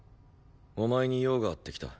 お前に用があって来た。